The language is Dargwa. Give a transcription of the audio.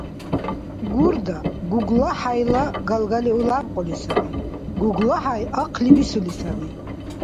Гурда ГуглахӀяйла галгалиу лябкьули саби. ГуглахӀяй ахъли бисули саби.